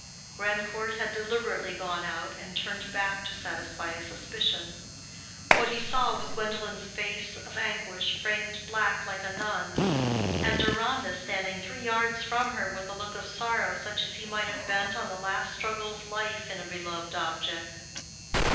Grandcourt had deliberately gone out and turned back to satisfy a suspicion. What he saw was Gwendolen's face of anguish framed black like a nun's, and Deronda standing three yards from her with a look of sorrow such as he might have bent on the last struggle of life in a beloved object.